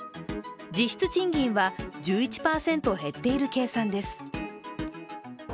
実質賃金は１１％減っている計算です。